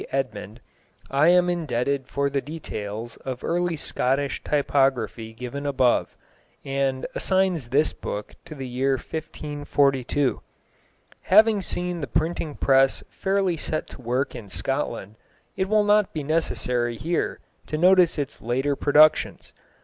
Edmond) I am indebted for the details of early Scottish typography given above, assigns this book to the year 1542. Having seen the printing press fairly set to work in Scotland, it will not be necessary here to notice its later productions.